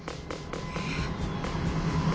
えっ？